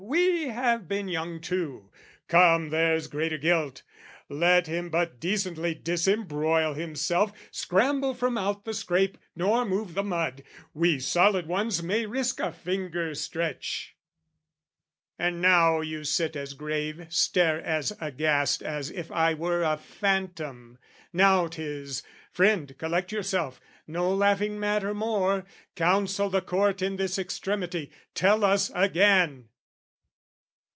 "We have been young, too, come, there's greater guilt! "Let him but decently disembroil himself, "Scramble from out the scrape nor move the mud, "We solid ones may risk a finger stretch!" And now you sit as grave, stare as aghast As if I were a phantom: now 'tis "Friend, "Collect yourself!" no laughing matter more "Counsel the Court in this extremity, "Tell us again!"